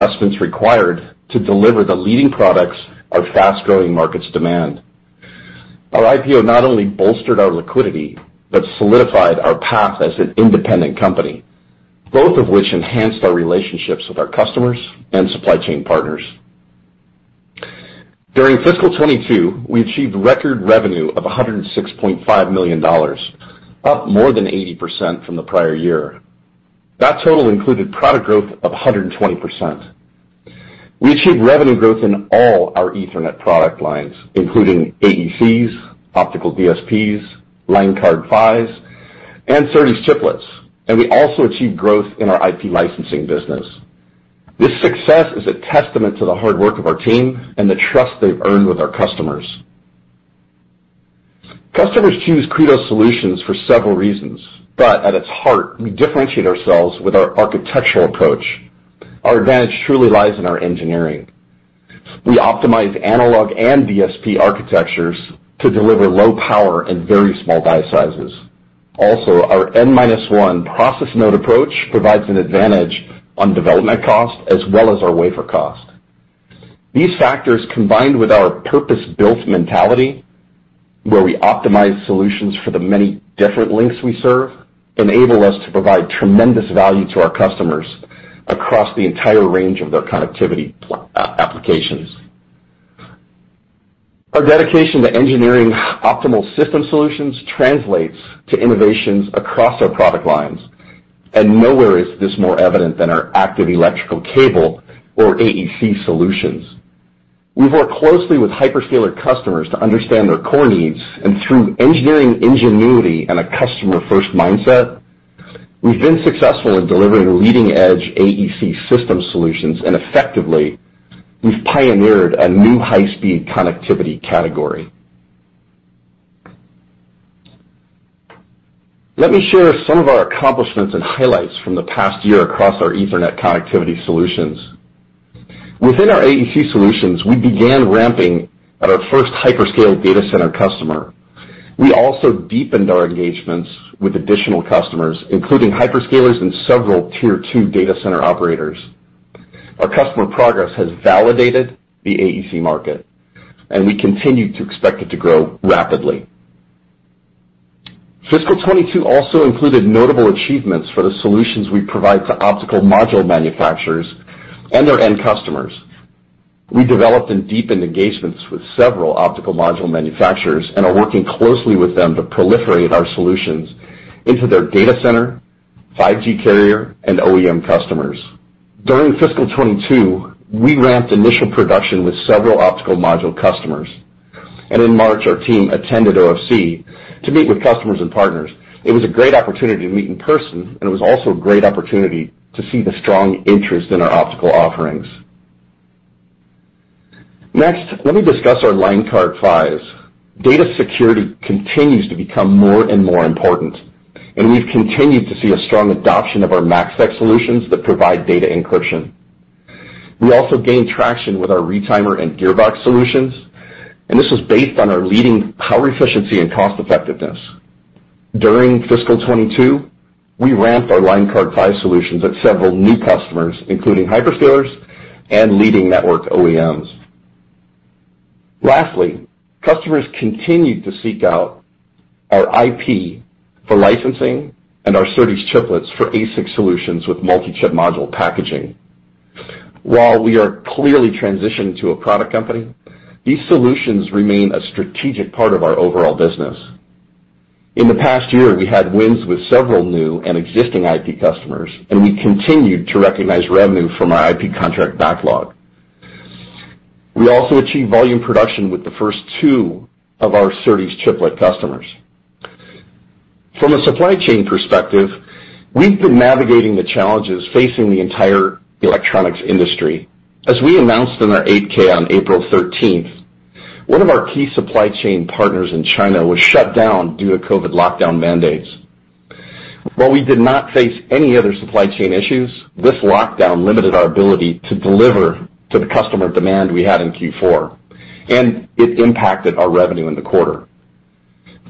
Investments required to deliver the leading products our fast-growing markets demand. Our IPO not only bolstered our liquidity, but solidified our path as an independent company, both of which enhanced our relationships with our customers and supply chain partners. During fiscal 2022, we achieved record revenue of $106.5 million, up more than 80% from the prior year. That total included product growth of 120%. We achieved revenue growth in all our Ethernet product lines, including AECs, optical DSPs, line card PHYs, and SerDes chiplets, and we also achieved growth in our IP licensing business. This success is a testament to the hard work of our team and the trust they've earned with our customers. Customers choose Credo solutions for several reasons, but at its heart, we differentiate ourselves with our architectural approach. Our advantage truly lies in our engineering. We optimize analog and DSP architectures to deliver low power in very small die sizes. Also, our N-minus-one process node approach provides an advantage on development cost as well as our wafer cost. These factors, combined with our purpose-built mentality, where we optimize solutions for the many different links we serve, enable us to provide tremendous value to our customers across the entire range of their connectivity applications. Our dedication to engineering optimal system solutions translates to innovations across our product lines, and nowhere is this more evident than our active electrical cable or AEC solutions. We've worked closely with hyperscaler customers to understand their core needs, and through engineering ingenuity and a customer-first mindset, we've been successful in delivering leading-edge AEC system solutions, and effectively, we've pioneered a new high-speed connectivity category. Let me share some of our accomplishments and highlights from the past year across our Ethernet connectivity solutions. Within our AEC solutions, we began ramping at our first hyperscale data center customer. We also deepened our engagements with additional customers, including hyperscalers and several tier two data center operators. Our customer progress has validated the AEC market, and we continue to expect it to grow rapidly. Fiscal 2022 also included notable achievements for the solutions we provide to optical module manufacturers and their end customers. We developed and deepened engagements with several optical module manufacturers and are working closely with them to proliferate our solutions into their data center, 5G carrier, and OEM customers. During Fiscal 2022, we ramped initial production with several optical module customers, and in March, our team attended OFC to meet with customers and partners. It was a great opportunity to meet in person, and it was also a great opportunity to see the strong interest in our optical offerings. Next, let me discuss our Line Card PHYs. Data security continues to become more and more important, and we've continued to see a strong adoption of our MACsec solutions that provide data encryption. We also gained traction with our retimer and gearbox solutions, and this was based on our leading power efficiency and cost effectiveness. During fiscal 2022, we ramped our Line Card PHY solutions at several new customers, including hyperscalers and leading network OEMs. Lastly, customers continued to seek out our IP for licensing and our SerDes Chiplets for ASIC solutions with multi-chip module packaging. While we are clearly transitioning to a product company, these solutions remain a strategic part of our overall business. In the past year, we had wins with several new and existing IP customers, and we continued to recognize revenue from our IP contract backlog. We also achieved volume production with the first two of our SerDes chiplet customers. From a supply chain perspective, we've been navigating the challenges facing the entire electronics industry. As we announced in our 8-K on April thirteenth, one of our key supply chain partners in China was shut down due to COVID lockdown mandates. While we did not face any other supply chain issues, this lockdown limited our ability to deliver to the customer demand we had in Q4, and it impacted our revenue in the quarter.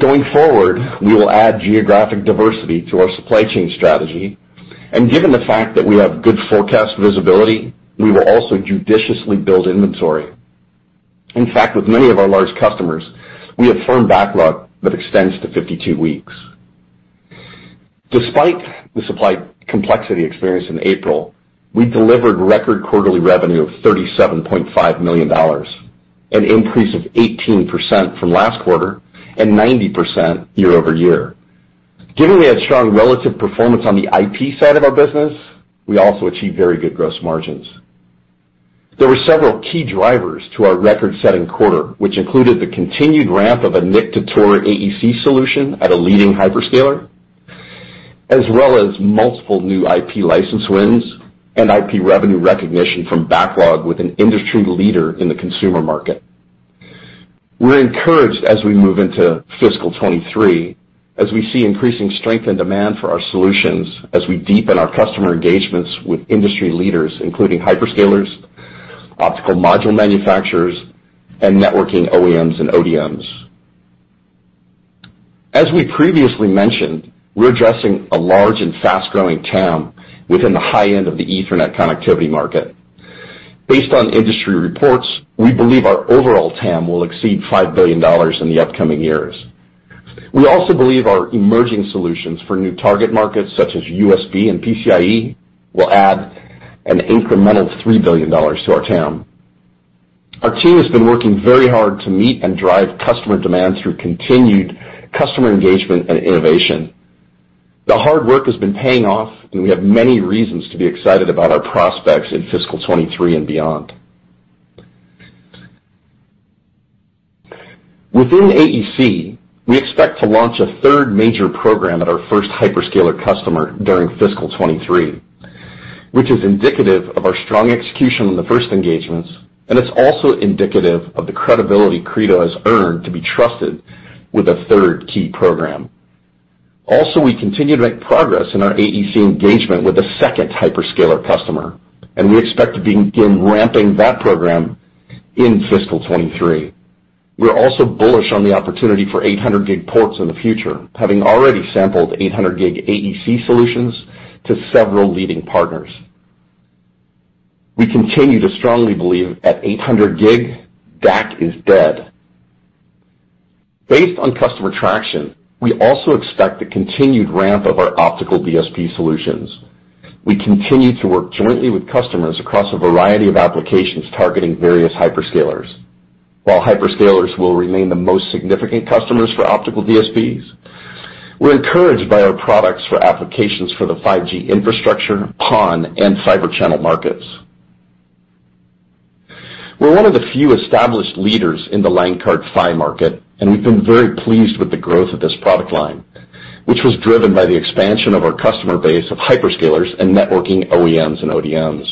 Going forward, we will add geographic diversity to our supply chain strategy, and given the fact that we have good forecast visibility, we will also judiciously build inventory. In fact, with many of our large customers, we have firm backlog that extends to 52 weeks. Despite the supply complexity experienced in April, we delivered record quarterly revenue of $37.5 million, an increase of 18% from last quarter and 90% year-over-year. Given we had strong relative performance on the IP side of our business, we also achieved very good gross margins. There were several key drivers to our record-setting quarter, which included the continued ramp of a NIC to TOR AEC solution at a leading hyperscaler, as well as multiple new IP license wins and IP revenue recognition from backlog with an industry leader in the consumer market. We're encouraged as we move into fiscal 2023 as we see increasing strength and demand for our solutions as we deepen our customer engagements with industry leaders, including hyperscalers, optical module manufacturers, and networking OEMs and ODMs. As we previously mentioned, we're addressing a large and fast-growing TAM within the high end of the Ethernet connectivity market. Based on industry reports, we believe our overall TAM will exceed $5 billion in the upcoming years. We also believe our emerging solutions for new target markets, such as USB and PCIe, will add an incremental $3 billion to our TAM. Our team has been working very hard to meet and drive customer demand through continued customer engagement and innovation. The hard work has been paying off, and we have many reasons to be excited about our prospects in fiscal 2023 and beyond. Within AEC, we expect to launch a third major program at our first hyperscaler customer during fiscal 2023, which is indicative of our strong execution on the first engagements, and it's also indicative of the credibility Credo has earned to be trusted with a third key program. Also, we continue to make progress in our AEC engagement with a second hyperscaler customer, and we expect to begin ramping that program in fiscal 2023. We're also bullish on the opportunity for 800 gig ports in the future, having already sampled 800 gig AEC solutions to several leading partners. We continue to strongly believe at 800 gig, DAC is dead. Based on customer traction, we also expect the continued ramp of our optical DSP solutions. We continue to work jointly with customers across a variety of applications targeting various hyperscalers. While hyperscalers will remain the most significant customers for Optical DSPs, we're encouraged by our products for applications for the 5G infrastructure, PON, and Fibre Channel markets. We're one of the few established leaders in the Line Card PHY market, and we've been very pleased with the growth of this product line, which was driven by the expansion of our customer base of hyperscalers and networking OEMs and ODMs.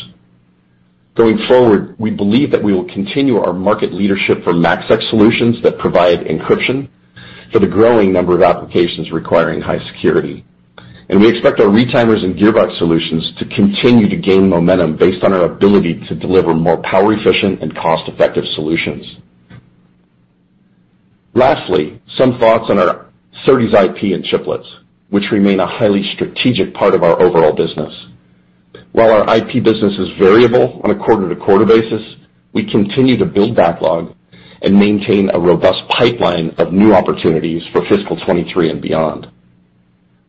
Going forward, we believe that we will continue our market leadership for MACsec solutions that provide encryption for the growing number of applications requiring high security. We expect our retimers and gearbox solutions to continue to gain momentum based on our ability to deliver more power efficient and cost-effective solutions. Lastly, some thoughts on our SerDes IP and chiplets, which remain a highly strategic part of our overall business. While our IP business is variable on a quarter-to-quarter basis, we continue to build backlog and maintain a robust pipeline of new opportunities for fiscal 2023 and beyond.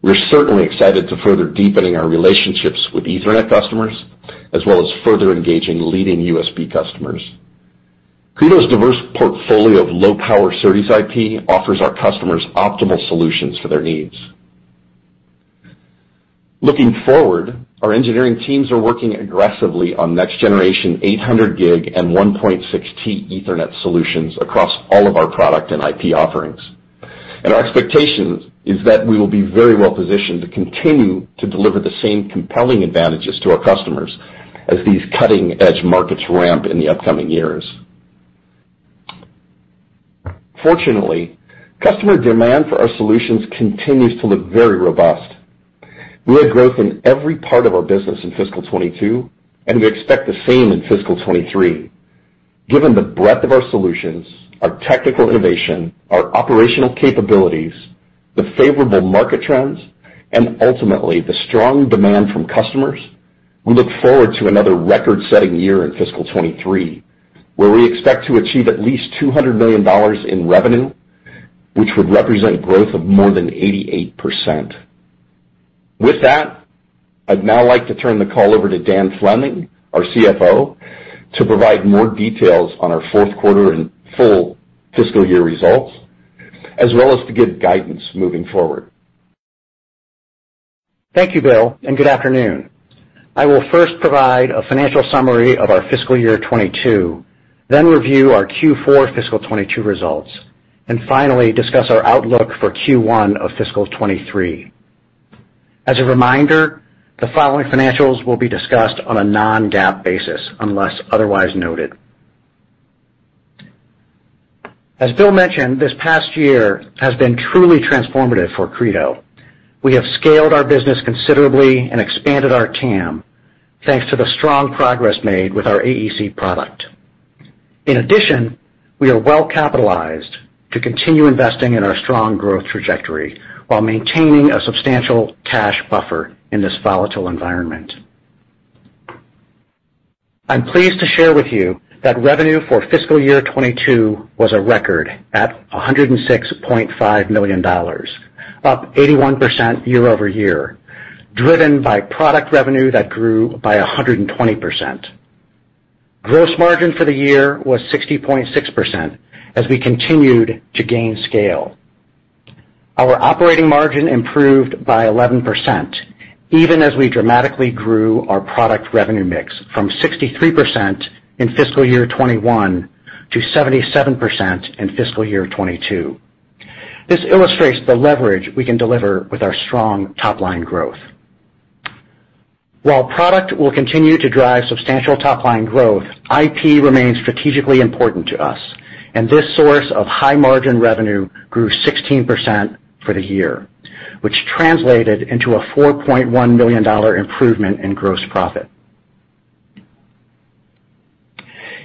We're certainly excited to further deepening our relationships with Ethernet customers, as well as further engaging leading USB customers. Credo's diverse portfolio of low-power SerDes IP offers our customers optimal solutions for their needs. Looking forward, our engineering teams are working aggressively on next generation 800 gig and 1.6 T Ethernet solutions across all of our product and IP offerings. Our expectation is that we will be very well positioned to continue to deliver the same compelling advantages to our customers as these cutting-edge markets ramp in the upcoming years. Fortunately, customer demand for our solutions continues to look very robust. We had growth in every part of our business in fiscal 2022, and we expect the same in fiscal 2023. Given the breadth of our solutions, our technical innovation, our operational capabilities, the favorable market trends, and ultimately, the strong demand from customers, we look forward to another record-setting year in fiscal 2023, where we expect to achieve at least $200 million in revenue, which would represent growth of more than 88%. With that, I'd now like to turn the call over to Dan Fleming, our CFO, to provide more details on our fourth quarter and full fiscal year results, as well as to give guidance moving forward. Thank you, Bill, and good afternoon. I will first provide a financial summary of our fiscal year 2022, then review our Q4 fiscal 2022 results, and finally, discuss our outlook for Q1 of fiscal 2023. As a reminder, the following financials will be discussed on a non-GAAP basis, unless otherwise noted. As Bill mentioned, this past year has been truly transformative for Credo. We have scaled our business considerably and expanded our TAM thanks to the strong progress made with our AEC product. In addition, we are well-capitalized to continue investing in our strong growth trajectory while maintaining a substantial cash buffer in this volatile environment. I'm pleased to share with you that revenue for fiscal year 2022 was a record at $106.5 million, up 81% year over year, driven by product revenue that grew by 120%. Gross margin for the year was 60.6% as we continued to gain scale. Our operating margin improved by 11%, even as we dramatically grew our product revenue mix from 63% in fiscal year 2021 to 77% in fiscal year 2022. This illustrates the leverage we can deliver with our strong top-line growth. While product will continue to drive substantial top-line growth, IP remains strategically important to us, and this source of high-margin revenue grew 16% for the year, which translated into a $4.1 million improvement in gross profit.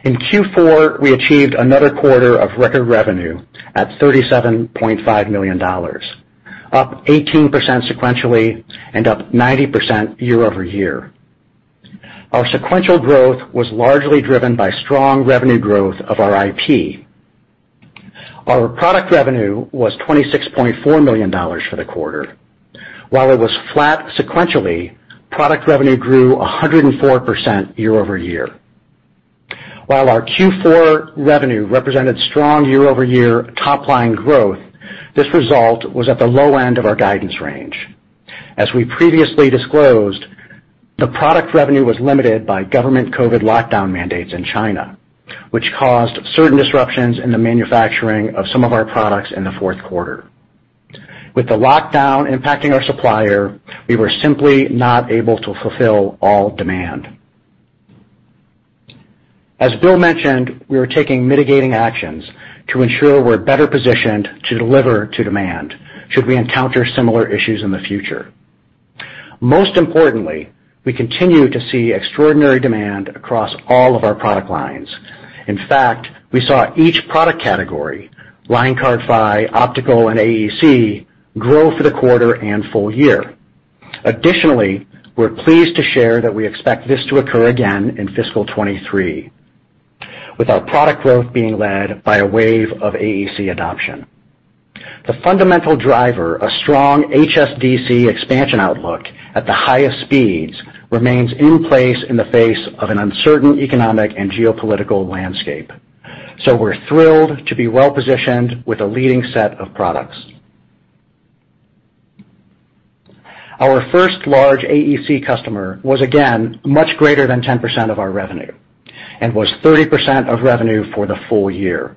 In Q4, we achieved another quarter of record revenue at $37.5 million, up 18% sequentially and up 90% year-over-year. Our sequential growth was largely driven by strong revenue growth of our IP. Our product revenue was $26.4 million for the quarter. While it was flat sequentially, product revenue grew 104% year-over-year. While our Q4 revenue represented strong year-over-year top line growth, this result was at the low end of our guidance range. As we previously disclosed, the product revenue was limited by government COVID lockdown mandates in China, which caused certain disruptions in the manufacturing of some of our products in the fourth quarter. With the lockdown impacting our supplier, we were simply not able to fulfill all demand. As Bill mentioned, we are taking mitigating actions to ensure we're better positioned to deliver to demand should we encounter similar issues in the future. Most importantly, we continue to see extraordinary demand across all of our product lines. In fact, we saw each product category, Line Card PHY, Optical, and AEC, grow for the quarter and full year. We're pleased to share that we expect this to occur again in fiscal 2023, with our product growth being led by a wave of AEC adoption. The fundamental driver, a strong HSDC expansion outlook at the highest speeds, remains in place in the face of an uncertain economic and geopolitical landscape. We're thrilled to be well-positioned with a leading set of products. Our first large AEC customer was again much greater than 10% of our revenue and was 30% of revenue for the full year.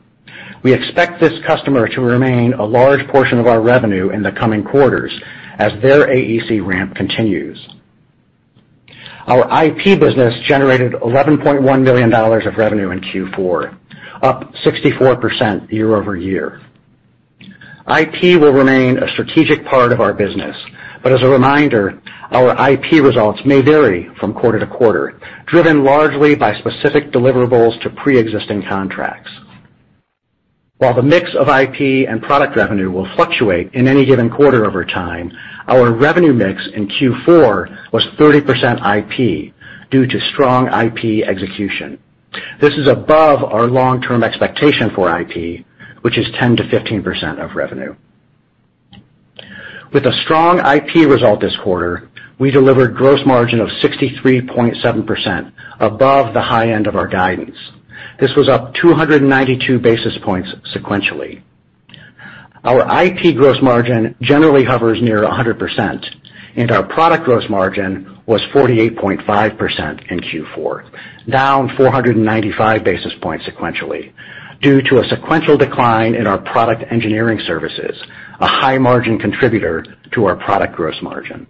We expect this customer to remain a large portion of our revenue in the coming quarters as their AEC ramp continues. Our IP business generated $11.1 million of revenue in Q4, up 64% year-over-year. IP will remain a strategic part of our business. As a reminder, our IP results may vary from quarter to quarter, driven largely by specific deliverables to pre-existing contracts. While the mix of IP and product revenue will fluctuate in any given quarter over time, our revenue mix in Q4 was 30% IP due to strong IP execution. This is above our long-term expectation for IP, which is 10%-15% of revenue. With a strong IP result this quarter, we delivered gross margin of 63.7% above the high end of our guidance. This was up 292 basis points sequentially. Our IP gross margin generally hovers near 100%, and our product gross margin was 48.5% in Q4, down 495 basis points sequentially due to a sequential decline in our product engineering services, a high margin contributor to our product gross margin.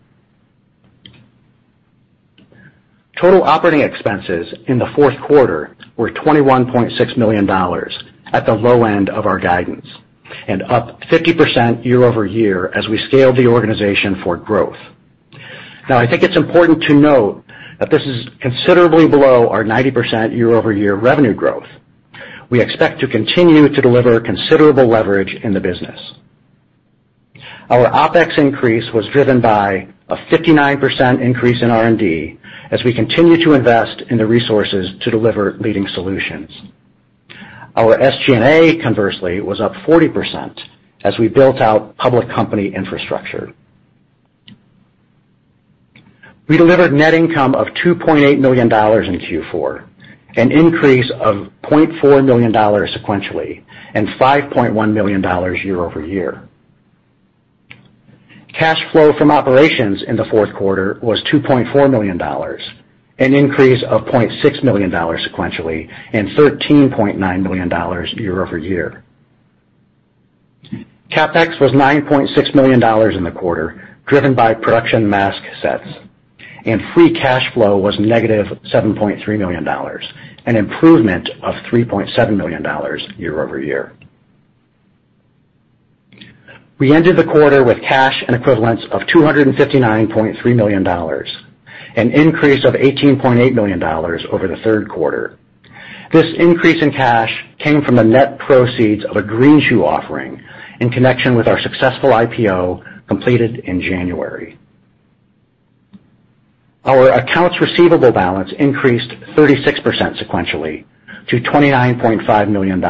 Total operating expenses in the fourth quarter were $21.6 million at the low end of our guidance, and up 50% year-over-year as we scaled the organization for growth. Now, I think it's important to note that this is considerably below our 90% year-over-year revenue growth. We expect to continue to deliver considerable leverage in the business. Our OpEx increase was driven by a 59% increase in R&D as we continue to invest in the resources to deliver leading solutions. Our SG&A, conversely, was up 40% as we built out public company infrastructure. We delivered net income of $2.8 million in Q4, an increase of $0.4 million sequentially, and $5.1 million year-over-year. Cash flow from operations in the fourth quarter was $2.4 million, an increase of $0.6 million sequentially, and $13.9 million year-over-year. CapEx was $9.6 million in the quarter, driven by production mask sets, and free cash flow was negative $7.3 million, an improvement of $3.7 million year-over-year. We ended the quarter with cash and equivalents of $259.3 million, an increase of $18.8 million over the third quarter. This increase in cash came from the net proceeds of a greenshoe offering in connection with our successful IPO completed in January. Our accounts receivable balance increased 36% sequentially to $29.5 million,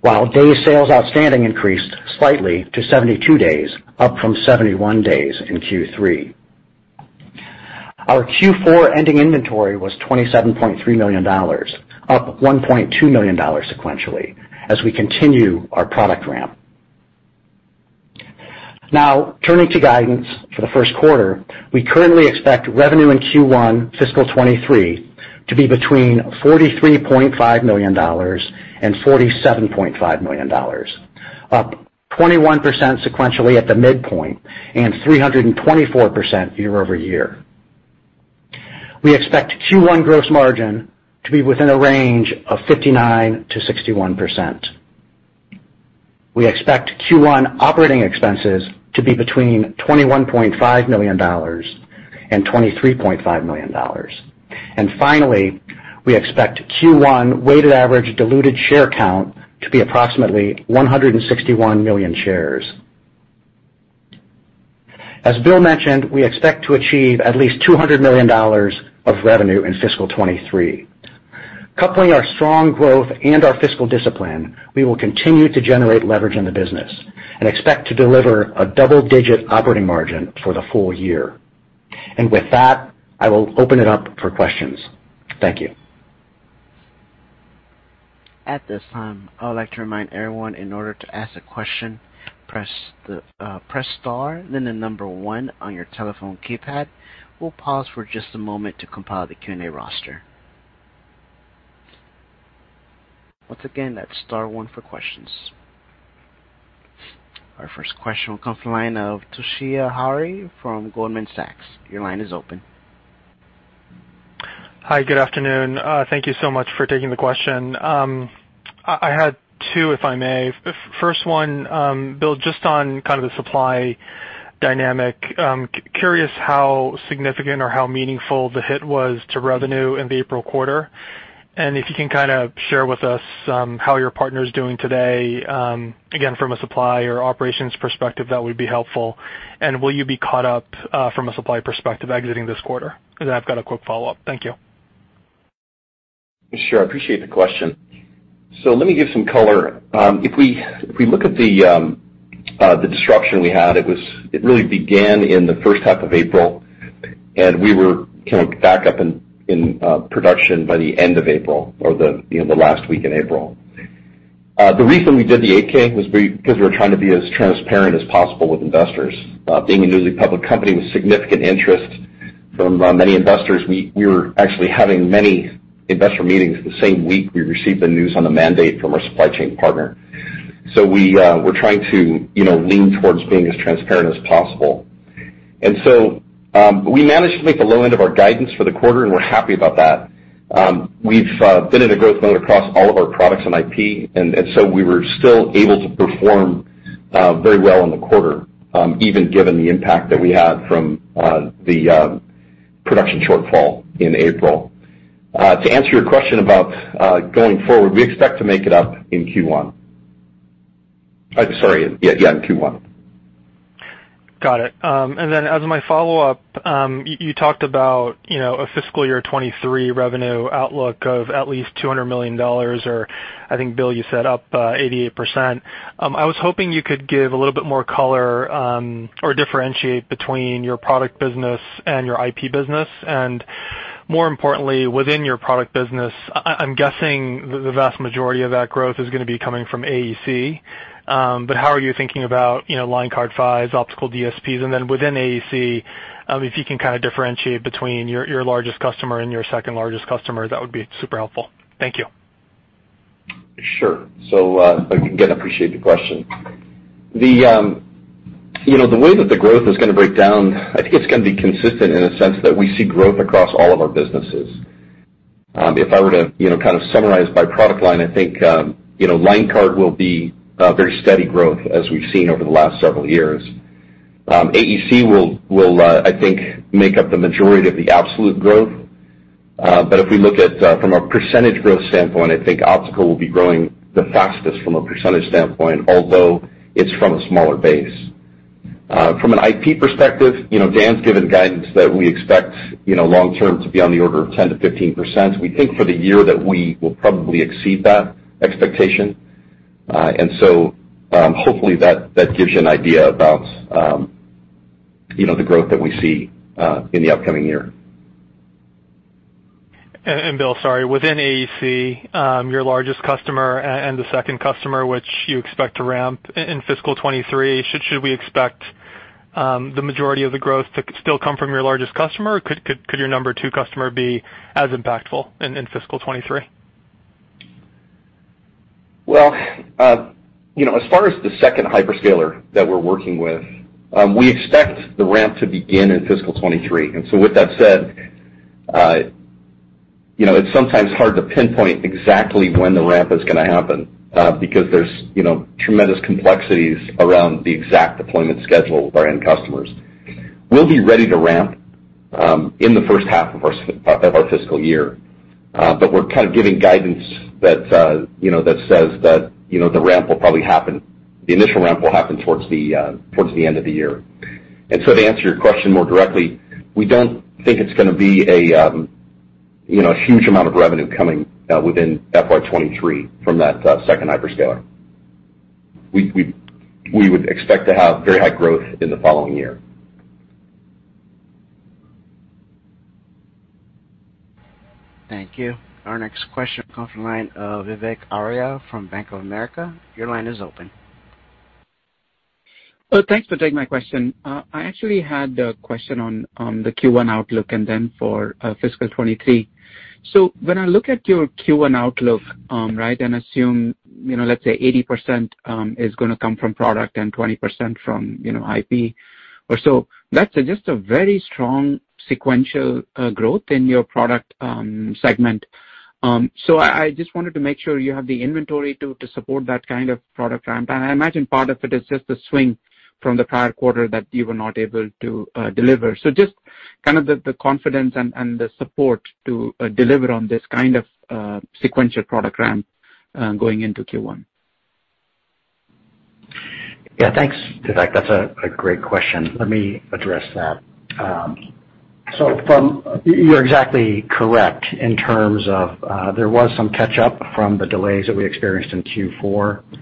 while day sales outstanding increased slightly to 72 days, up from 71 days in Q3. Our Q4 ending inventory was $27.3 million, up $1.2 million sequentially as we continue our product ramp. Now, turning to guidance for the first quarter, we currently expect revenue in Q1 fiscal 2023 to be between $43.5 million and $47.5 million, up 21% sequentially at the midpoint and 324% year-over-year. We expect Q1 gross margin to be within a range of 59%-61%. We expect Q1 operating expenses to be between $21.5 million and $23.5 million. Finally, we expect Q1 weighted average diluted share count to be approximately 161 million shares. As Bill mentioned, we expect to achieve at least $200 million of revenue in fiscal 2023. Coupling our strong growth and our fiscal discipline, we will continue to generate leverage in the business and expect to deliver a double-digit operating margin for the full year. With that, I will open it up for questions. Thank you. At this time, I would like to remind everyone in order to ask a question, press star then the number one on your telephone keypad. We'll pause for just a moment to compile the Q&A roster. Once again, that's star one for questions. Our first question will come from the line of Toshiya Hari from Goldman Sachs. Your line is open. Hi. Good afternoon. Thank you so much for taking the question. I had two, if I may. The first one, Bill, just on kind of the supply dynamic, curious how significant or how meaningful the hit was to revenue in the April quarter, and if you can kinda share with us, how your partner is doing today, again, from a supply or operations perspective, that would be helpful. Will you be caught up, from a supply perspective exiting this quarter? I've got a quick follow-up. Thank you. I appreciate the question. Let me give some color. If we look at the disruption we had, it really began in the first half of April, and we were kind of back up in production by the end of April or the last week in April. The reason we did the 8-K was because we were trying to be as transparent as possible with investors. Being a newly public company with significant interest from many investors, we were actually having many investor meetings the same week we received the news on the mandate from our supply chain partner. We are trying to lean towards being as transparent as possible. We managed to make the low end of our guidance for the quarter, and we're happy about that. We've been in a growth mode across all of our products and IP, and we were still able to perform very well in the quarter, even given the impact that we had from the production shortfall in April. To answer your question about going forward, we expect to make it up in Q1. Sorry, yeah, in Q1. Got it. As my follow-up, you talked about, you know, a fiscal year 2023 revenue outlook of at least $200 million, or I think, Bill, you said up 88%. I was hoping you could give a little bit more color, or differentiate between your product business and your IP business. More importantly, within your product business, I'm guessing the vast majority of that growth is going to be coming from AEC. How are you thinking about, you know, line card PHYs, optical DSPs? Then within AEC, if you can kinda differentiate between your largest customer and your second-largest customer, that would be super helpful. Thank you. Sure. Again, appreciate the question. The you know, the way that the growth is going to break down, I think it's going to be consistent in a sense that we see growth across all of our businesses. If I were to you know, kind of summarize by product line, I think you know, line card will be very steady growth as we've seen over the last several years. AEC will, I think, make up the majority of the absolute growth. If we look at from a percentage growth standpoint, I think optical will be growing the fastest from a percentage standpoint, although it's from a smaller base. From an IP perspective, you know, Dan's given guidance that we expect you know, long term to be on the order of 10%-15%. We think for the year that we will probably exceed that expectation. Hopefully that gives you an idea about, you know, the growth that we see in the upcoming year. Bill, sorry, within AEC, your largest customer and the second customer, which you expect to ramp in fiscal 2023, should we expect the majority of the growth to still come from your largest customer, or could your number two customer be as impactful in fiscal 2023? Well, you know, as far as the second hyperscaler that we're working with, we expect the ramp to begin in fiscal 2023. With that said, you know, it's sometimes hard to pinpoint exactly when the ramp is going to happen, because there's, you know, tremendous complexities around the exact deployment schedule of our end customers. We'll be ready to ramp in the first half of our fiscal year, but we're kind of giving guidance that, you know, that says that, you know, the ramp will probably happen, the initial ramp will happen towards the end of the year. To answer your question more directly, we don't think it's going to be a, you know, a huge amount of revenue coming within FY 2023 from that second hyperscaler. We would expect to have very high growth in the following year. Thank you. Our next question comes from the line of Vivek Arya from Bank of America. Your line is open. Oh, thanks for taking my question. I actually had a question on the Q1 outlook and then for fiscal 2023. When I look at your Q1 outlook, right, and assume, you know, let's say 80% is going to come from product and 20% from, you know, IP or so, that's just a very strong sequential growth in your product segment. I just wanted to make sure you have the inventory to support that kind of product ramp. I imagine part of it is just the swing from the prior quarter that you were not able to deliver. Just kind of the confidence and the support to deliver on this kind of sequential product ramp going into Q1. Yeah. Thanks, Vivek. That's a great question. Let me address that. You're exactly correct in terms of, there was some catch-up from the delays that we experienced in Q4, and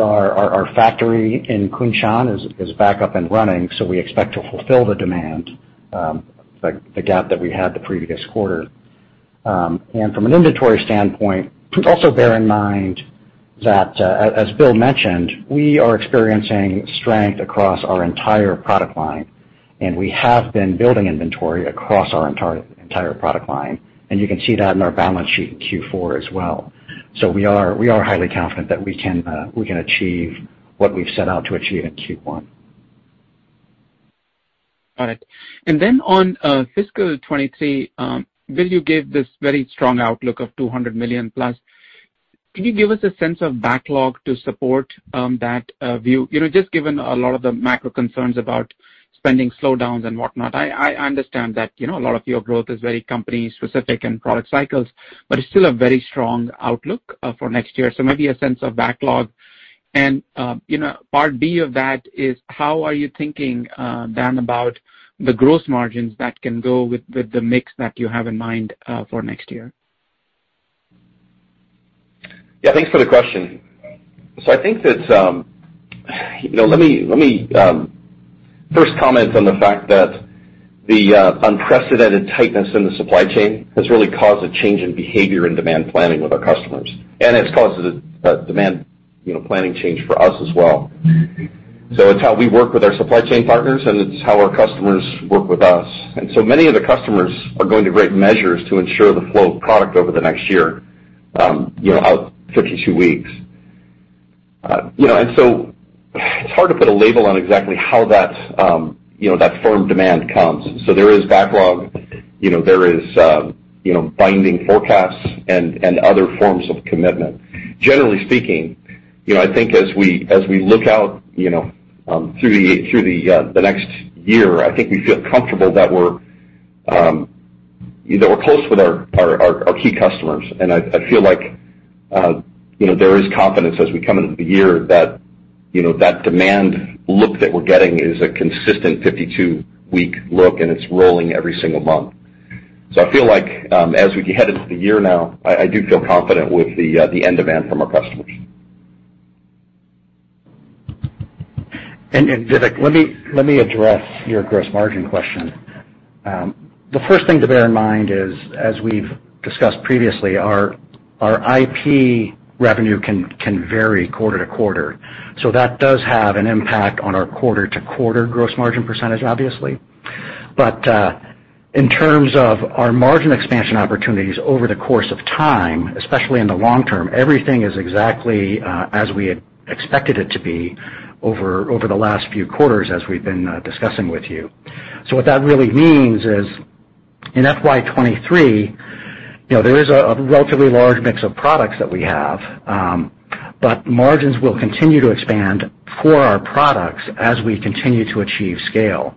our factory in Kunshan is back up and running, so we expect to fulfill the demand, like the gap that we had the previous quarter. And from an inventory standpoint, please also bear in mind that, as Bill mentioned, we are experiencing strength across our entire product line, and we have been building inventory across our entire product line. You can see that in our balance sheet in Q4 as well. We are highly confident that we can achieve what we've set out to achieve in Q1. All right. On fiscal 2023, Bill, you gave this very strong outlook of 200 million plus. Can you give us a sense of backlog to support that view? You know, just given a lot of the macro concerns about spending slowdowns and whatnot. I understand that, you know, a lot of your growth is very company specific and product cycles, but it's still a very strong outlook for next year. Maybe a sense of backlog. You know, part B of that is how are you thinking, Dan, about the gross margins that can go with the mix that you have in mind for next year? Yeah. Thanks for the question. I think that, you know, let me first comment on the fact that the unprecedented tightness in the supply chain has really caused a change in behavior and demand planning with our customers, and it's caused a demand, you know, planning change for us as well. It's how we work with our supply chain partners, and it's how our customers work with us. Many of the customers are going to great measures to ensure the flow of product over the next year, you know, out 52 weeks. You know, it's hard to put a label on exactly how that, you know, that firm demand comes. There is backlog, you know, binding forecasts and other forms of commitment. Generally speaking, you know, I think as we look out, you know, through the next year, I think we feel comfortable that we're close with our key customers. I feel like, you know, there is confidence as we come into the year that, you know, that demand outlook that we're getting is a consistent 52-week outlook, and it's rolling every single month. I feel like as we head into the year now, I do feel confident with the end demand from our customers. Vivek, let me address your gross margin question. The first thing to bear in mind is, as we've discussed previously, our IP revenue can vary quarter to quarter. That does have an impact on our quarter-to-quarter gross margin percentage, obviously. In terms of our margin expansion opportunities over the course of time, especially in the long term, everything is exactly as we had expected it to be over the last few quarters as we've been discussing with you. What that really means is in FY 2023, there is a relatively large mix of products that we have, but margins will continue to expand for our products as we continue to achieve scale.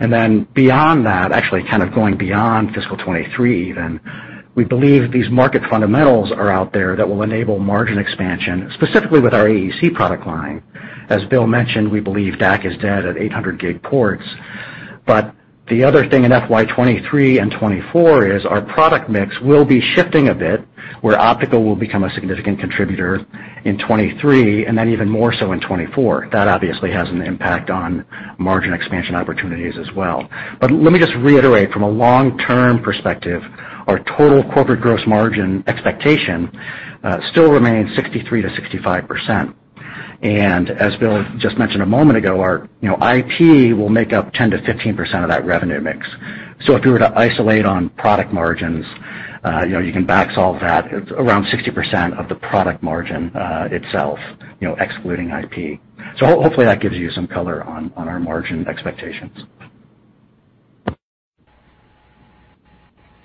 Beyond that, actually kind of going beyond fiscal 2023 even, we believe these market fundamentals are out there that will enable margin expansion, specifically with our AEC product line. As Bill mentioned, we believe DAC is dead at 800 gig ports. The other thing in FY 2023 and 2024 is our product mix will be shifting a bit, where optical will become a significant contributor in 2023 and then even more so in 2024. That obviously has an impact on margin expansion opportunities as well. Let me just reiterate from a long-term perspective, our total corporate gross margin expectation still remains 63%-65%. As Bill just mentioned a moment ago, our, you know, IP will make up 10%-15% of that revenue mix. If you were to isolate on product margins, you know, you can back solve that. It's around 60% of the product margin itself, you know, excluding IP. Hopefully that gives you some color on our margin expectations.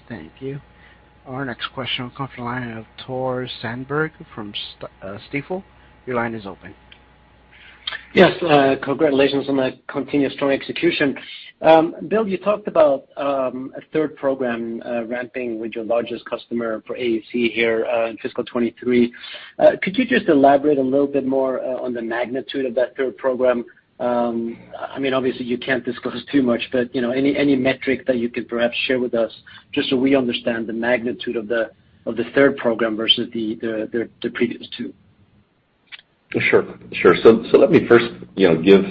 Thank you. Our next question will come from the line of Tore Svanberg from Stifel. Your line is open. Yes. Congratulations on the continuous strong execution. Bill, you talked about a third program ramping with your largest customer for AEC here in fiscal 2023. Could you just elaborate a little bit more on the magnitude of that third program? I mean, obviously you can't disclose too much, but you know, any metric that you could perhaps share with us just so we understand the magnitude of the third program versus the previous two. Sure. Let me first, you know, give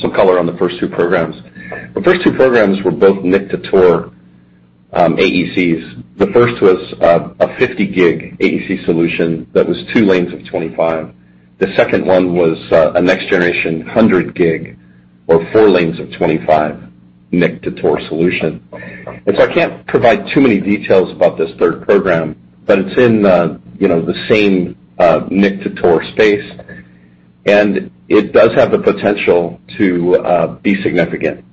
some color on the first two programs. The first two programs were both NIC to TOR AECs. The first was a 50 gig AEC solution that was two lanes of 25. The second one was a next generation 100 gig or four lanes of 25 NIC to TOR solution. I can't provide too many details about this third program, but it's in, you know, the same NIC to TOR space. It does have the potential to be significant,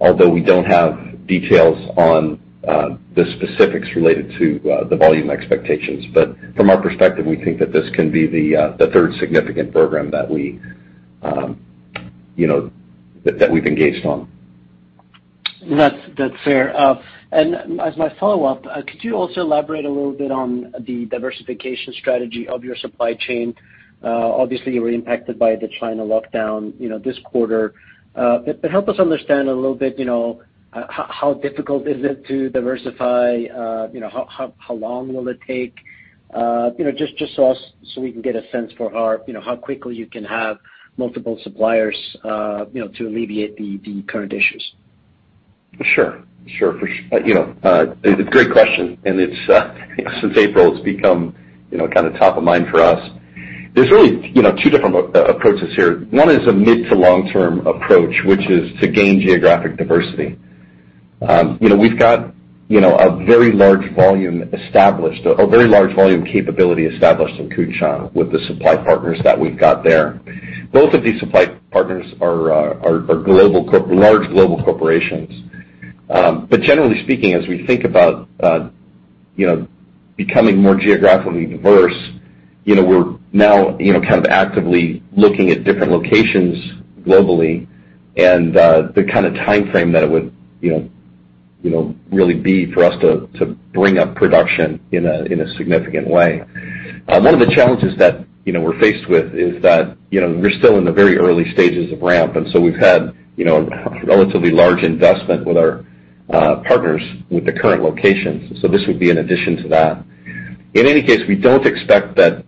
although we don't have details on the specifics related to the volume expectations. From our perspective, we think that this can be the third significant program that we, you know, that we've engaged on. That's fair. As my follow-up, could you also elaborate a little bit on the diversification strategy of your supply chain? Obviously, you were impacted by the China lockdown, you know, this quarter. Help us understand a little bit, you know, how difficult is it to diversify? You know, how long will it take? You know, just so we can get a sense for how, you know, how quickly you can have multiple suppliers, you know, to alleviate the current issues. Sure. You know, a great question, and it's, since April, it's become, you know, kinda top of mind for us. There's really, you know, two different approaches here. One is a mid to long-term approach, which is to gain geographic diversity. We've got a very large volume established, a very large volume capability established in Kunshan with the supply partners that we've got there. Both of these supply partners are large global corporations. Generally speaking, as we think about, you know, becoming more geographically diverse, you know, we're now, you know, kind of actively looking at different locations globally and, the kinda timeframe that it would, you know, really be for us to bring up production in a significant way. One of the challenges that, you know, we're faced with is that, you know, we're still in the very early stages of ramp, and so we've had, you know, relatively large investment with our partners with the current locations. This would be an addition to that. In any case, we don't expect that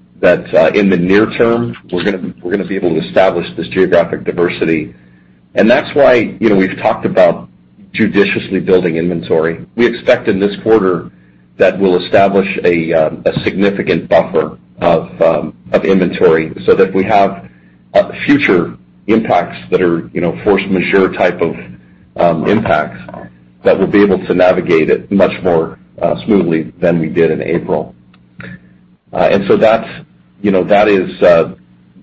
in the near term, we're going to be able to establish this geographic diversity. That's why, you know, we've talked about judiciously building inventory. We expect in this quarter that we'll establish a significant buffer of inventory so that if we have future impacts that are, you know, force majeure type of impacts, that we'll be able to navigate it much more smoothly than we did in April. That's, you know, that is,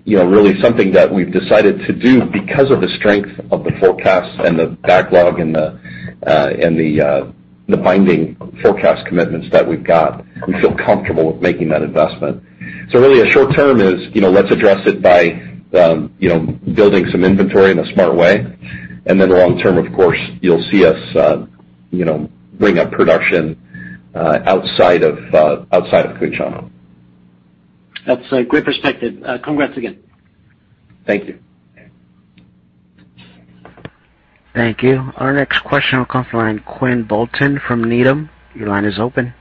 you know, really something that we've decided to do because of the strength of the forecast and the backlog and the binding forecast commitments that we've got. We feel comfortable with making that investment. Really a short-term is, you know, let's address it by, you know, building some inventory in a smart way. Long-term, of course, you'll see us, you know, bring up production outside of Kunshan. That's a great perspective. Congrats again. Thank you. Thank you. Our next question will come from the line Quinn Bolton from Needham. Your line is open.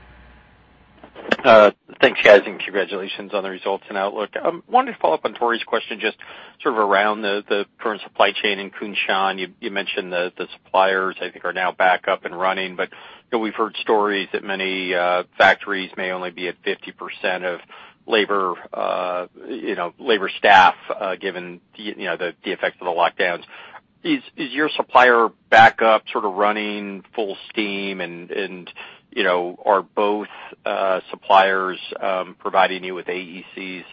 Thanks, guys, and congratulations on the results and outlook. Wanted to follow up on Tore's question, just sort of around the current supply chain in Kunshan. You mentioned the suppliers, I think, are now back up and running. You know, we've heard stories that many factories may only be at 50% of labor, you know, labor staff, given you know, the effects of the lockdowns. Is your supplier back up sort of running full steam? And you know, are both suppliers providing you with AECs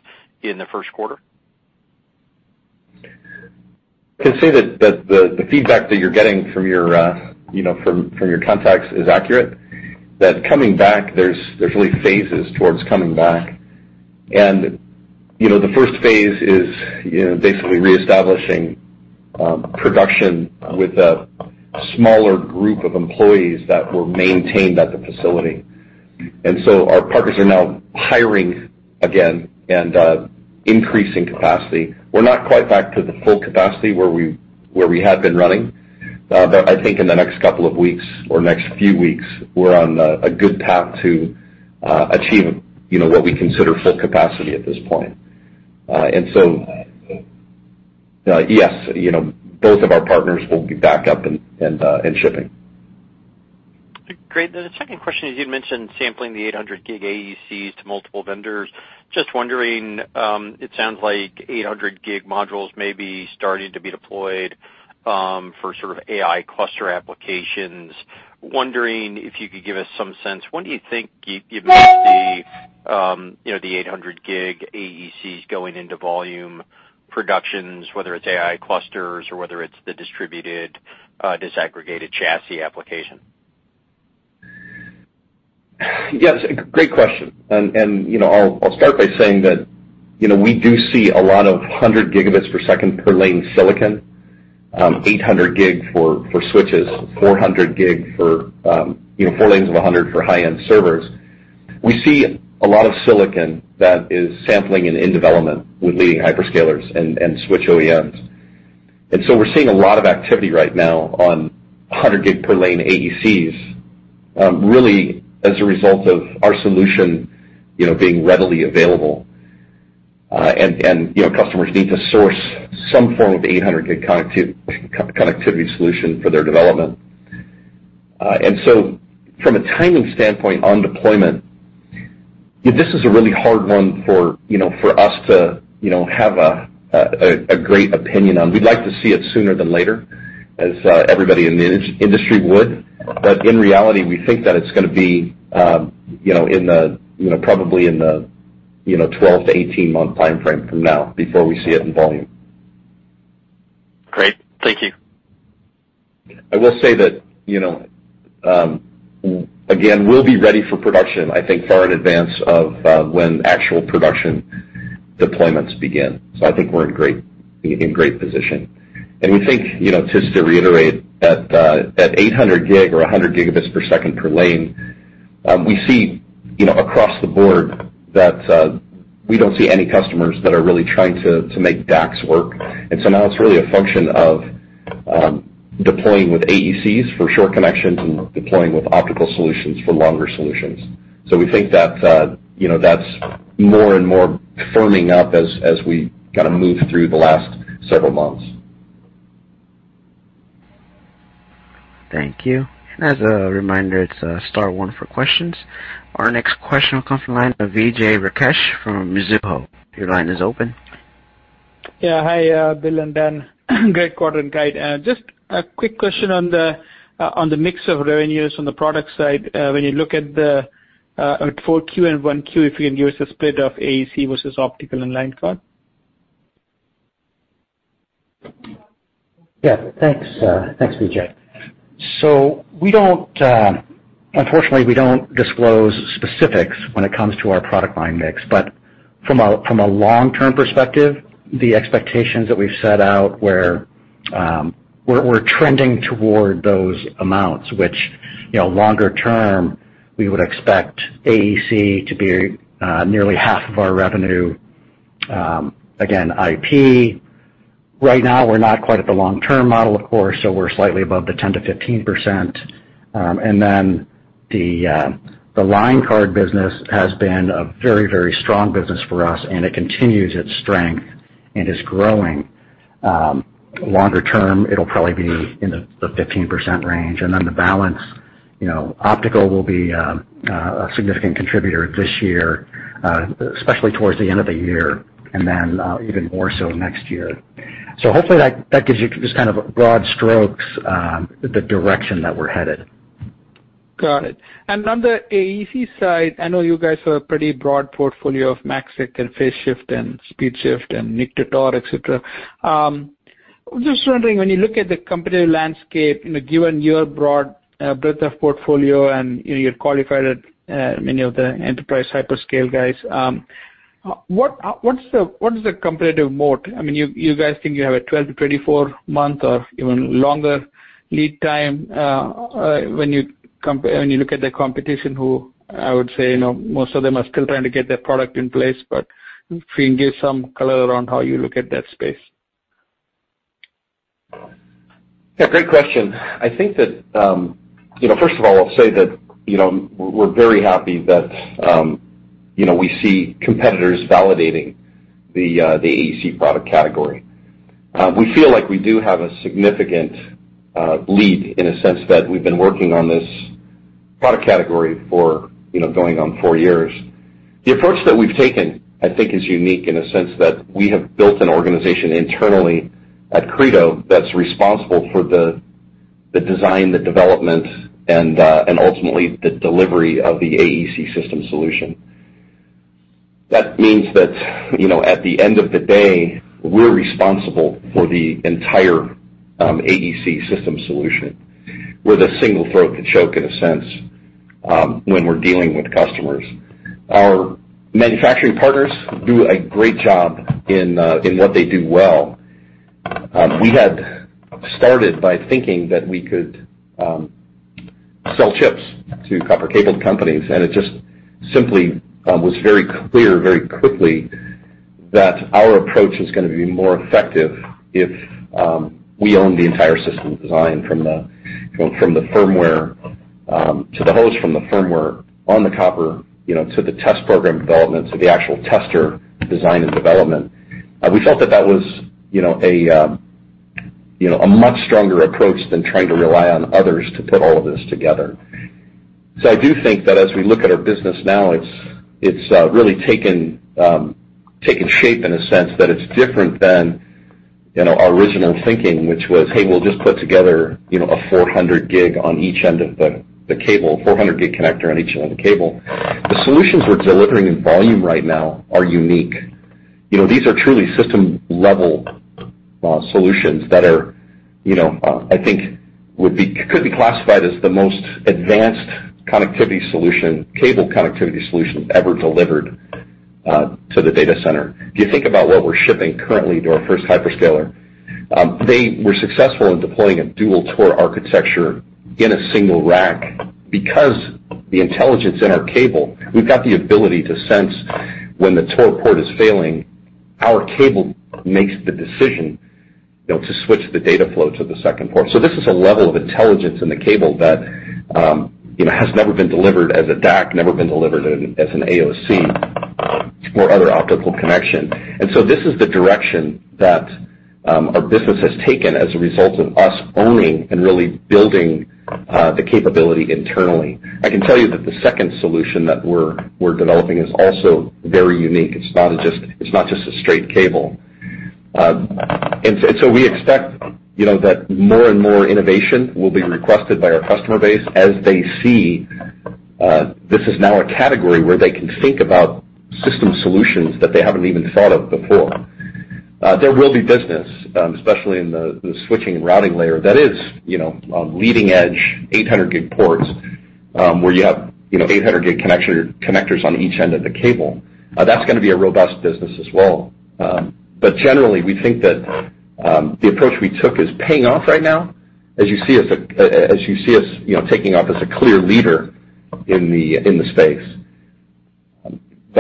in the first quarter? I can say that the feedback that you're getting from your, you know, from your contacts is accurate, that coming back there's really phases towards coming back. You know, the first phase is, you know, basically reestablishing production with a smaller group of employees that were maintained at the facility. Our partners are now hiring again and increasing capacity. We're not quite back to the full capacity where we had been running. But I think in the next couple of weeks or next few weeks, we're on a good path to achieve, you know, what we consider full capacity at this point. Yes, you know, both of our partners will be back up and shipping. Great. The second question is, you'd mentioned sampling the 800 gig AECs to multiple vendors. Just wondering, it sounds like 800 gig modules may be starting to be deployed, for sort of AI cluster applications. Wondering if you could give us some sense, when do you think you might see, you know, the 800 gig AECs going into volume productions, whether it's AI clusters or whether it's the distributed, disaggregated chassis application? Yes, great question. You know, I'll start by saying that, you know, we do see a lot of 100 gigabits per second per lane silicon, 800 gig for switches, 400 gig for, you know, four lanes of 100 for high-end servers. We see a lot of silicon that is sampling and in development with leading hyperscalers and switch OEMs. We're seeing a lot of activity right now on 100 gig per lane AECs, really as a result of our solution, you know, being readily available. You know, customers need to source some form of 800 gig connectivity solution for their development. From a timing standpoint on deployment, this is a really hard one for, you know, for us to, you know, have a great opinion on. We'd like to see it sooner than later as everybody in the industry would. In reality, we think that it's going to be, you know, in the, you know, probably in the, you know, 12-18-month timeframe from now before we see it in volume. Great. Thank you. I will say that, you know, again, we'll be ready for production, I think, far in advance of when actual production deployments begin. I think we're in great position. We think, you know, just to reiterate that, at 800 gig or 100 gigabits per second per lane, we see, you know, across the board that we don't see any customers that are really trying to make DACs work. now it's really a function of deploying with AECs for short connections and deploying with optical solutions for longer solutions. We think that, you know, that's more and more firming up as we kinda move through the last several months. Thank you. As a reminder, it's star one for questions. Our next question will come from the line of Vijay Rakesh from Mizuho. Your line is open. Yeah. Hi, Bill and Dan. Great quarter and guide. Just a quick question on the mix of revenues on the product side. When you look at 4Q and 1Q, if you can give us a split of AEC versus optical and line card. Thanks, Vijay. We don't, unfortunately, disclose specifics when it comes to our product line mix, but from a long-term perspective, the expectations that we've set out were, we're trending toward those amounts, which, you know, longer term, we would expect AEC to be nearly half of our revenue, again, IP. Right now, we're not quite at the long-term model, of course, so we're slightly above the 10%-15%. Then the line card business has been a very, very strong business for us, and it continues its strength and is growing. Longer term, it'll probably be in the 15% range. The balance, you know, optical will be a significant contributor this year, especially toward the end of the year, and then even more so next year. Hopefully that gives you just kind of a broad strokes, the direction that we're headed. Got it. On the AEC side, I know you guys have a pretty broad portfolio of MACsec and phase shift and speed shift and NIC to TOR, et cetera. Just wondering, when you look at the competitive landscape, you know, given your broad breadth of portfolio and, you know, you're qualified at many of the enterprise hyperscale guys, what is the competitive moat? I mean, you guys think you have a 12-24 month or even longer lead time, when you look at the competition, who I would say, you know, most of them are still trying to get their product in place, but if you can give some color around how you look at that space. Yeah, great question. I think that, you know, first of all, I'll say that, you know, we're very happy that, you know, we see competitors validating the AEC product category. We feel like we do have a significant lead in a sense that we've been working on this product category for, you know, going on four years. The approach that we've taken, I think, is unique in a sense that we have built an organization internally at Credo that's responsible for the design, the development, and ultimately, the delivery of the AEC system solution. That means that, you know, at the end of the day, we're responsible for the entire AEC system solution. We're the single throat to choke, in a sense, when we're dealing with customers. Our manufacturing partners do a great job in what they do well. We had started by thinking that we could sell chips to copper cabled companies, and it just simply was very clear very quickly that our approach is going to be more effective if we own the entire system design from the firmware to the host, from the firmware on the copper, you know, to the test program development to the actual tester design and development. We felt that was, you know, a much stronger approach than trying to rely on others to put all of this together. I do think that as we look at our business now, it's really taken shape in a sense that it's different than, you know, our original thinking, which was, hey, we'll just put together, you know, a 400 gig on each end of the cable, 400 gig connector on each end of the cable. The solutions we're delivering in volume right now are unique. You know, these are truly system-level solutions that are, you know, I think could be classified as the most advanced connectivity solution, cable connectivity solution ever delivered to the data center. If you think about what we're shipping currently to our first hyperscaler, they were successful in deploying a dual ToR architecture in a single rack. Because the intelligence in our cable, we've got the ability to sense when the ToR port is failing, our cable makes the decision, you know, to switch the data flow to the second port. This is a level of intelligence in the cable that, you know, has never been delivered as a DAC, never been delivered as an AOC or other optical connection. This is the direction that our business has taken as a result of us owning and really building the capability internally. I can tell you that the second solution that we're developing is also very unique. It's not just a straight cable. We expect, you know, that more and more innovation will be requested by our customer base as they see this is now a category where they can think about system solutions that they haven't even thought of before. There will be business, especially in the switching and routing layer that is, you know, on leading edge 800 gig ports, where you have, you know, 800 gig connectors on each end of the cable. That's going to be a robust business as well. Generally, we think that the approach we took is paying off right now as you see us, you know, taking off as a clear leader in the space.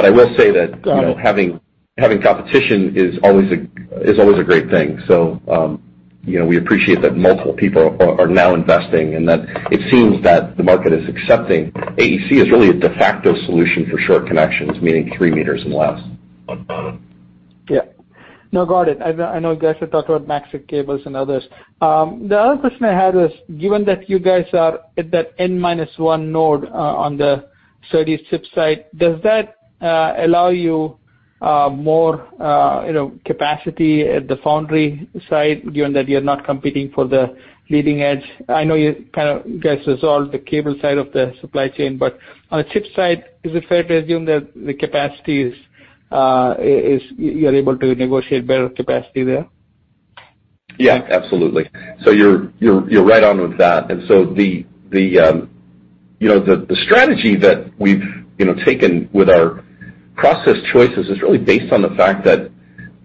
I will say that, you know, having competition is always a great thing. you know, we appreciate that multiple people are now investing, and that it seems that the market is accepting AEC as really a de facto solution for short connections, meaning three meters and less. Yeah. No, got it. I know, I know you guys have talked about AEC cables and others. The other question I had was, given that you guys are at that N-minus-one node, on the SerDes chip side, does that allow you more, you know, capacity at the foundry side given that you're not competing for the leading edge? I know you guys kind of resolved the cable side of the supply chain, but on the chip side, is it fair to assume that you're able to negotiate better capacity there? Yeah, absolutely. You're right on with that. The strategy that we've taken with our process choices is really based on the fact that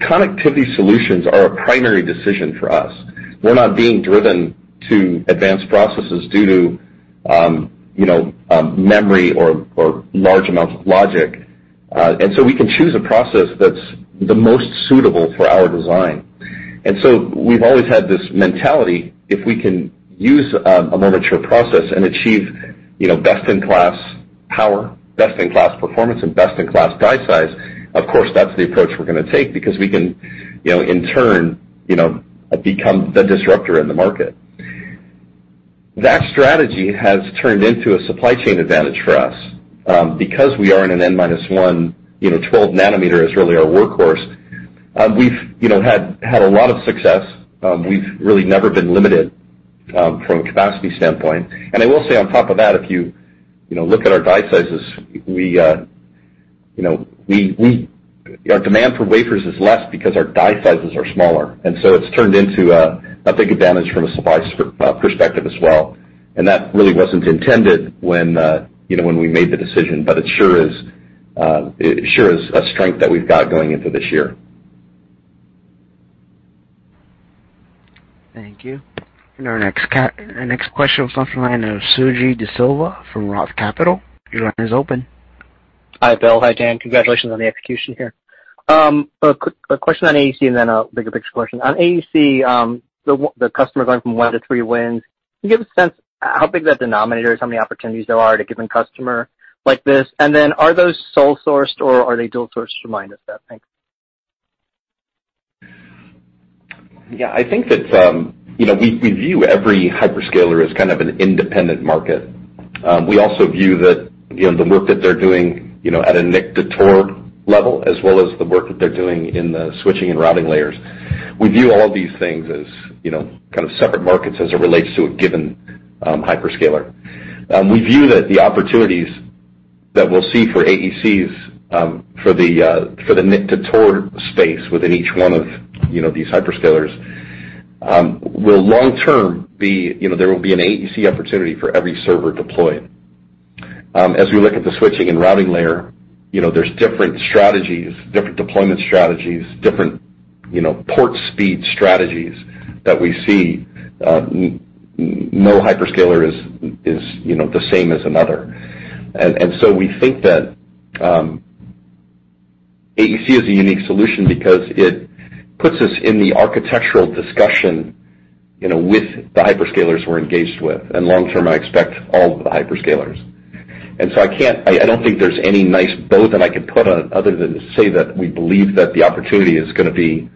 connectivity solutions are a primary decision for us. We're not being driven to advanced processes due to memory or large amounts of logic. We can choose a process that's the most suitable for our design. We've always had this mentality, if we can use a more mature process and achieve best-in-class power, best-in-class performance, and best-in-class die size, of course, that's the approach we're going to take because we can in turn become the disruptor in the market. That strategy has turned into a supply chain advantage for us. Because we are in an N-minus-one, you know, 12-nanometer is really our workhorse, we've you know had a lot of success. We've really never been limited from a capacity standpoint. I will say on top of that, if you you know look at our die sizes, we you know our demand for wafers is less because our die sizes are smaller, and so it's turned into a big advantage from a supply perspective as well. That really wasn't intended when you know when we made the decision, but it sure is a strength that we've got going into this year. Thank you. Our next question comes from the line of Suji DeSilva from Roth Capital. Your line is open. Hi, Bill. Hi, Dan. Congratulations on the execution here. A quick question on AEC and then a bigger picture question. On AEC, the customer going from one to three wins. Can you give a sense how big that denominator is, how many opportunities there are at a given customer like this? And then are those sole sourced or are they dual sourced? Just remind us that. Thanks. Yeah. I think that, you know, we view every hyperscaler as kind of an independent market. We also view that, you know, the work that they're doing, you know, at a NIC to TOR level as well as the work that they're doing in the switching and routing layers. We view all of these things as, you know, kind of separate markets as it relates to a given hyperscaler. We view that the opportunities that we'll see for AECs, for the NIC to TOR space within each one of, you know, these hyperscalers, will long term be, you know, there will be an AEC opportunity for every server deployed. As we look at the switching and routing layer, you know, there's different strategies, different deployment strategies, different, you know, port speed strategies that we see. No hyperscaler is, you know, the same as another. We think that AEC is a unique solution because it puts us in the architectural discussion, you know, with the hyperscalers we're engaged with, and long term, I expect all of the hyperscalers. I don't think there's any nice bow that I can put on it other than to say that we believe that the opportunity is going to be,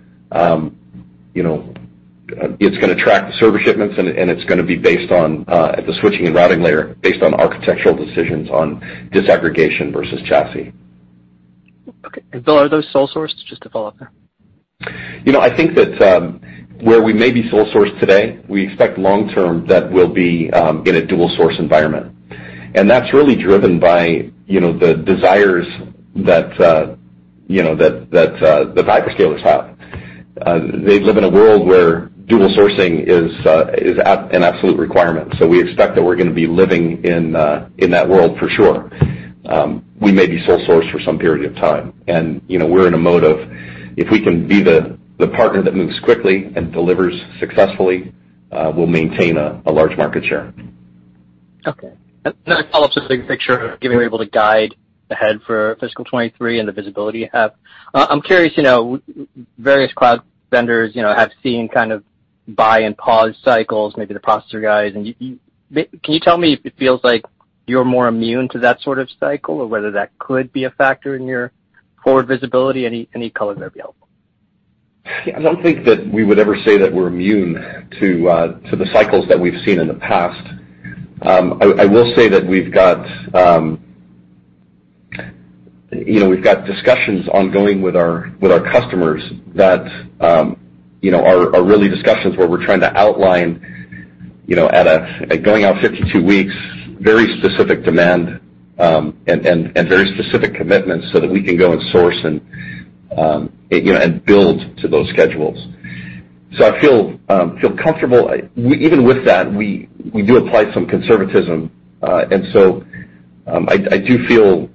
you know, it's going to track the server shipments and it's going to be based on at the switching and routing layer based on architectural decisions on disaggregation versus chassis. Okay. Bill, are those sole sourced? Just a follow-up there. You know, I think that where we may be sole sourced today, we expect long term that we'll be in a dual source environment. That's really driven by you know, the desires that hyperscalers have. They live in a world where dual sourcing is an absolute requirement. We expect that we're going to be living in that world for sure. We may be sole sourced for some period of time. You know, we're in a mode of if we can be the partner that moves quickly and delivers successfully, we'll maintain a large market share. Another follow-up to the big picture of giving you a bit of a guide ahead for fiscal 2023 and the visibility you have. I'm curious, you know, various cloud vendors, you know, have seen kind of buy and pause cycles, maybe the processor guys. Can you tell me if it feels like you're more immune to that sort of cycle or whether that could be a factor in your forward visibility? Any color there would be helpful. Yeah, I don't think that we would ever say that we're immune to the cycles that we've seen in the past. I will say that we've got you know we've got discussions ongoing with our customers that you know are really discussions where we're trying to outline you know going out 52 weeks very specific demand and very specific commitments so that we can go and source and you know and build to those schedules. I feel comfortable. Even with that, we do apply some conservatism. I do feel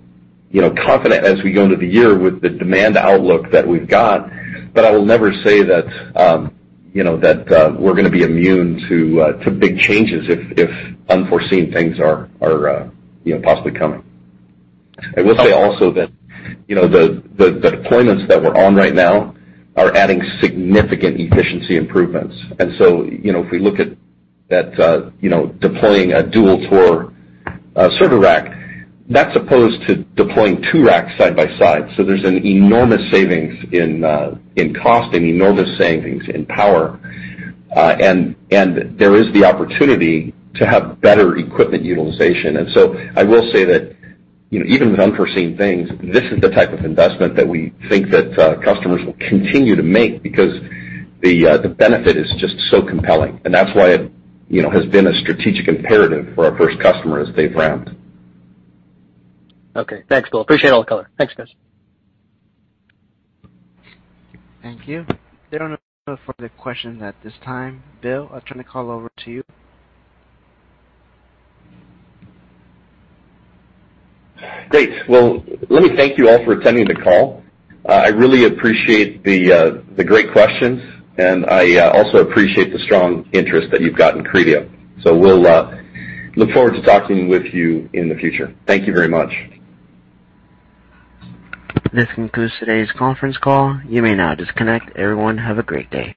you know confident as we go into the year with the demand outlook that we've got. I will never say that you know that we're going to be immune to big changes if unforeseen things are you know possibly coming. I will say also that you know the deployments that we're on right now are adding significant efficiency improvements. You know if we look at that you know deploying a dual ToR server rack that's opposed to deploying two racks side by side. There's an enormous savings in cost and enormous savings in power. There is the opportunity to have better equipment utilization. I will say that you know even with unforeseen things this is the type of investment that we think that customers will continue to make because the benefit is just so compelling. That's why it, you know, has been a strategic imperative for our first customers as they've ramped. Okay. Thanks, Bill. Appreciate all the color. Thanks, guys. Thank you. There are no further questions at this time. Bill, I'll turn the call over to you. Great. Well, let me thank you all for attending the call. I really appreciate the great questions, and I also appreciate the strong interest that you've got in Credo. We'll look forward to talking with you in the future. Thank you very much. This concludes today's conference call. You may now disconnect. Everyone, have a great day.